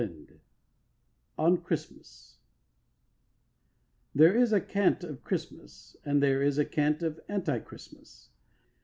XI ON CHRISTMAS There is a cant of Christmas, and there is a cant of anti Christmas.